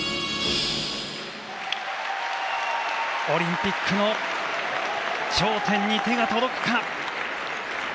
オリンピックの頂点に手が届くか。